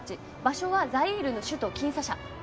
場所はザイールの首都キンサシャ。